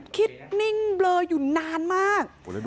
นิ่งเบลออยู่นานมาก